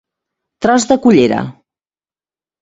Tros de collera.